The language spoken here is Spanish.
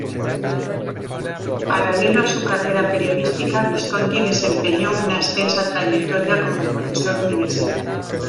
Paralelo a su carrera periodística, Visconti desempeñó una extensa trayectoria como profesor universitario.